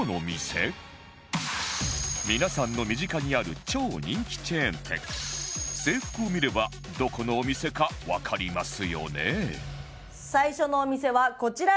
皆さんの身近にある超人気チェーン店制服を見ればどこのお店かわかりますよね？最初のお店はこちらです。